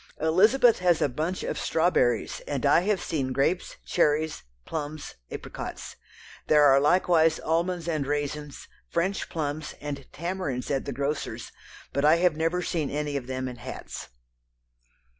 Elizabeth has a bunch of strawberries and I have seen grapes, cherries, plums, apricots. There are likewise almonds and raisins, French plums, and tamarinds at the grocers', but I have never seen any of them in hats."